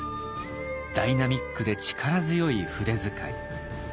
ダイナミックで力強い筆遣い。